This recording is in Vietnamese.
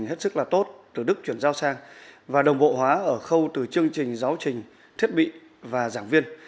hết sức là tốt từ đức chuyển giao sang và đồng bộ hóa ở khâu từ chương trình giáo trình thiết bị và giảng viên